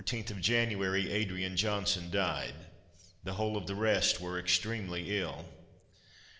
] On the 14th of January, Adrian Johnson died. The whole of the rest were extremely ill.